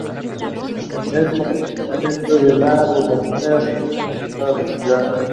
El cementerio, dentro de la población, era suficiente y estaba ventilado.